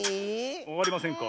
わかりませんか？